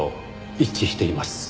一致しています。